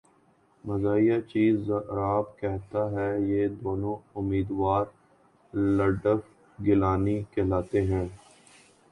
مزاحیہ چِیز ضارب کہتا ہے یہ دونوں امیدوار رڈلف گیلانی کہلاتے ہیں